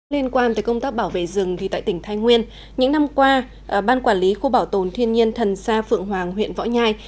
liên quan tới công tác bảo vệ rừng tại tỉnh thái nguyên những năm qua ban quản lý khu bảo tồn thiên nhiên thần sa phượng hoàng huyện võ nhai